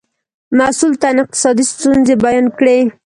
مسئول تن اقتصادي ستونزې بیان کړې.